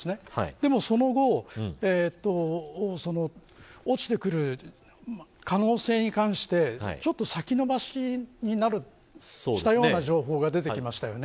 でもその後落ちてくる可能性に関してちょっと先延ばしにしたような情報が出てきましたね。